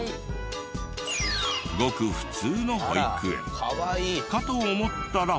ごく普通の保育園かと思ったら。